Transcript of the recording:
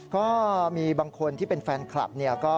ก็มีบางคนที่เป็นแฟนคลับเนี่ย